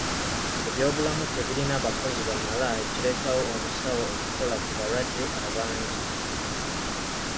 Ebyomulamu tebirina bakozi bamala ekireetawo omusawo okukola ku balwadde abangi.